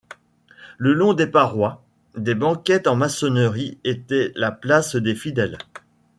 Le long des parois, des banquettes en maçonnerie étaient la place des fidèles.